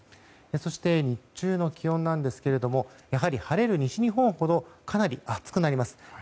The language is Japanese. そして、日中の気温ですがやはり晴れる西日本ほどかなり暑くなります。